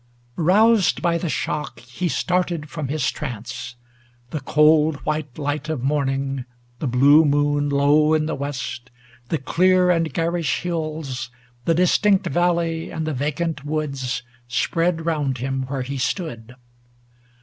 Roused by the shock, he started from his trance ŌĆö The cold white light of morning, the blue moon Low in the west, the clear and garish hills, The distinct valley and the vacant woods, Spread round him where he stood.